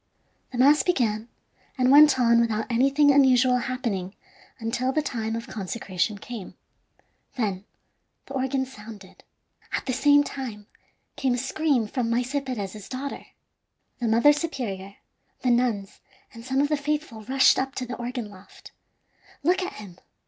The mass began, and went on without anything unusual happening until the time of consecration came. Then the organ sounded. At the same time came a scream from Maese Perez's daughter. The mother superior, the nuns, and some of the faithful rushed up to the organ loft. "Look at him!